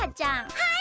はい！